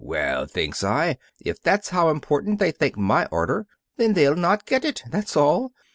Well, thinks I, if that's how important they think my order, then they'll not get it that's all.